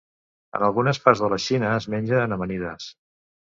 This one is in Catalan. En algunes parts de la Xina es menja en amanides.